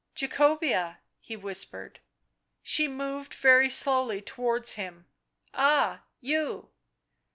" Jacobea," he whispered. She moved very slowly towards him. "Ah! you."